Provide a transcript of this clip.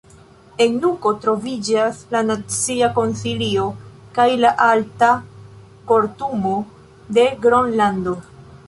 En Nuko troviĝas la Nacia Konsilio kaj la Alta Kortumo de Gronlando.